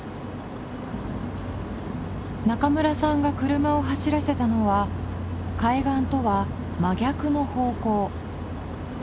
中村さんが車を走らせたのは海岸とは真逆の方向。